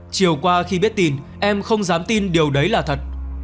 chiều qua khi biết tin em không dám tin điều đấy là thật